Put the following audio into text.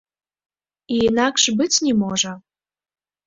І інакш быць не можа.